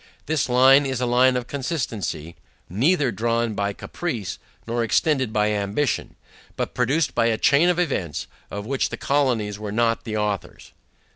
This line is a line of consistency; neither drawn by caprice, nor extended by ambition; but produced by a chain of events, of which the colonies were not the authors.